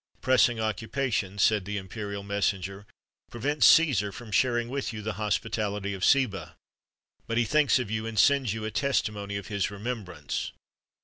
"Pressing occupations," said the imperial messenger, "prevent Cæsar from sharing with you the hospitality of Seba; but he thinks of you, and sends you a testimony of his remembrance."